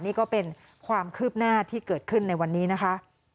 นี่ก็เป็นความคืบหน้าที่เกิดขึ้นในวันนี้นะคะ